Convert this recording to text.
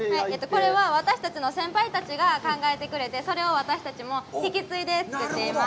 これは私たちの先輩たちが考えてくれて、それを私たちも引き継いで作っています。